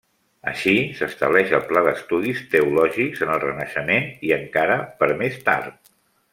Així s'estableix el pla d'estudis teològics en el renaixement i encara per més tard.